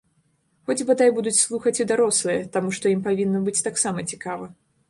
Хоць, бадай, будуць слухаць і дарослыя, таму што ім павінна быць таксама цікава.